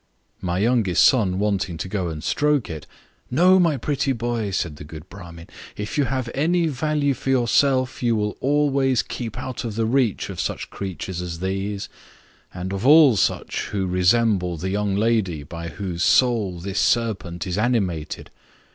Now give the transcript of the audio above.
My youngest son wanting to go and stroke it; "No, my pretty boy, said the good Bramin; if you have any value for yourself, you will always keep out of the reach of such creatures as these, and of all such who resemble the young lady by whose soul this serpent is animated.